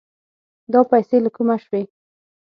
دا پيسې له کومه شوې؟